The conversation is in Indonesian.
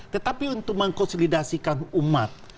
tetapi untuk mengkonsolidasikan umat